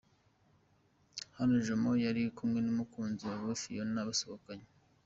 Hano Jomo yari kumwe n'umukunzi we Fiona basohokanye.